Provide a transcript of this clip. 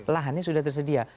lahannya sudah tersedia